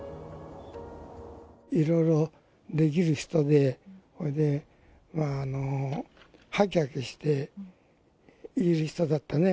いろいろできる人で、それではきはきして、いい人だったね。